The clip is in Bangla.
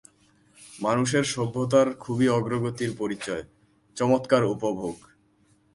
মানুষের সভ্যতার খুবই অগ্রগতির পরিচয়, চমৎকার উপভোগ।